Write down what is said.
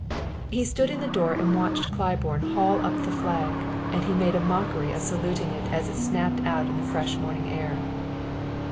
He stood in the door and watched Claiborne haul up the flag, and he made a mockery of saluting it as it snapped out in the fresh morning air.